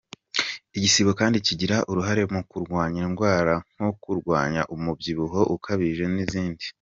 Igisibo kandi kigira uruhare mu kurwanya indwara nko kurwanya umubyibuho ukabije n’izindi.